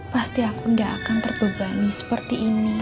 pasti aku tidak akan terbebani seperti ini